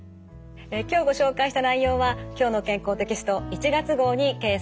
今日ご紹介した内容は「きょうの健康」テキスト１月号に掲載されています。